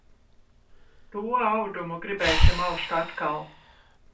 To audumu gribēsim aust atkal.